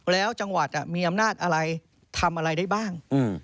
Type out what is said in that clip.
แล้วจังหวัดมีอำนาจอะไรทำอะไรได้บ้าง